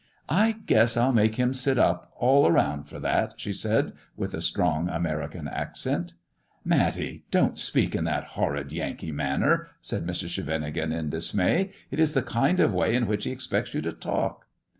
I guess I'll make him sit up all round for that,'' she said, with a strong American accent. "Matty, don't speak in that horrid Yankee manner," said Mrs. Scheveningen, in dismay. "It is the kind of way in which he expects you to talk."